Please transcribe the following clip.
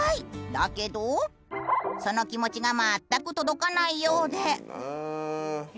だけどその気持ちが全く届かないようで。